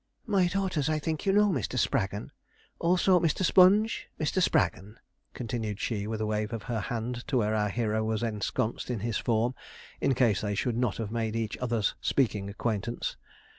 'My daughters I think you know, Mr. Spraggon; also Mr. Sponge? Mr. Spraggon,' continued she, with a wave of her hand to where our hero was ensconced in his form, in case they should not have made each other's speaking acquaintance.